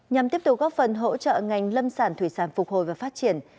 nhằm tiếp tục góp phần hỗ trợ ngành lâm sản thủy sản phục hồi và phát triển